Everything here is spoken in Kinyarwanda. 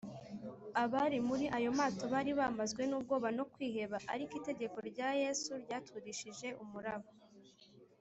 abari muri ayo mato bari bamazwe n’ubwoba no kwiheba, ariko itegeko rya yesu ryaturishije umuraba